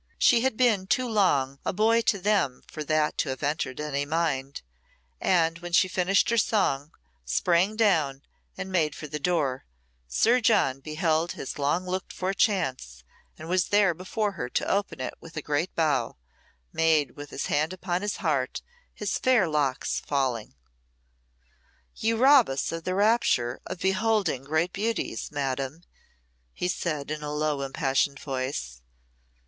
She had been too long a boy to them for that to have entered any mind, and when she finished her song, sprang down, and made for the door, Sir John beheld his long looked for chance, and was there before her to open it with a great bow, made with his hand upon his heart and his fair locks falling. "You rob us of the rapture of beholding great beauties, Madam," he said in a low, impassioned voice.